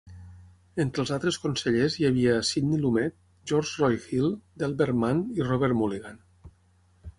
Entre els altres consellers hi havia Sidney Lumet, George Roy Hill, Delbert Mann i Robert Mulligan.